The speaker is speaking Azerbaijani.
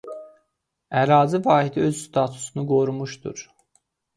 Ərazi vahidi öz statusunu qorumuşdur.